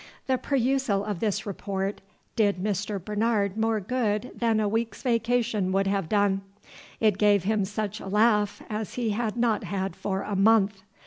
The perusal of this Report did Mr. Bernard more good than a week's vacation would have done: It gave him such a laugh as he had not had for a month.